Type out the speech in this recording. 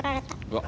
うわ。